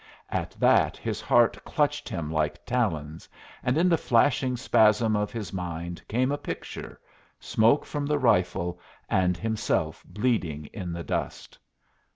At that his heart clutched him like talons, and in the flashing spasm of his mind came a picture smoke from the rifle, and himself bleeding in the dust.